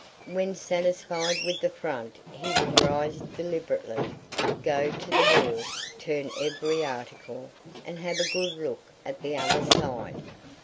When satisfied with the front he would rise deliberately, go to the wall, turn every article, and have a good look at the other side.